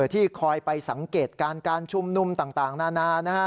ที่คอยไปสังเกตการณ์การชุมนุมต่างนานานะฮะ